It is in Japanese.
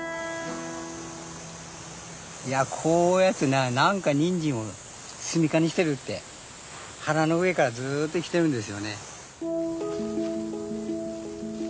こういうやつ何かニンジンを住みかにしてるって花の上からずっと生きてるんですよね。